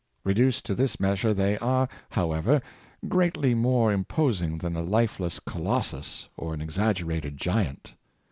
Reduced to this measure, they are, however, greatly more imposing than a lifeless Colossus or an exaggerated giant.